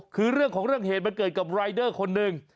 คือเรื่องของเรื่องเหตุมันเกิดกับรายเดอร์คนหนึ่ง